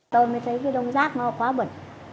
tôi mới thấy cái đông rác nó quá bẩn